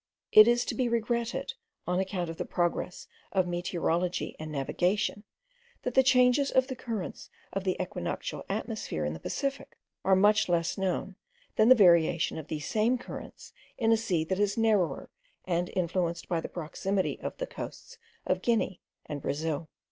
It is to be regretted, on account of the progress of meteorology and navigation, that the changes of the currents of the equinoctial atmosphere in the Pacific are much less known than the variation of these same currents in a sea that is narrower, and influenced by the proximity of the coasts of Guinea and Brazil.